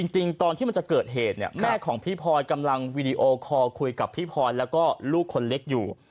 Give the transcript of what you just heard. จริงตอนที่มันจะเกิดเหตุเนี่ยแม่ของพี่พลอยกำลังวีดีโอคอลคุยกับพี่พลอยแล้วก็ลูกคนเล็กอยู่